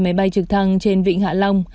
máy bay trực thăng trên vịnh hạ long